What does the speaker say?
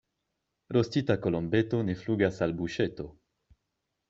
Rostita kolombeto ne flugas al buŝeto.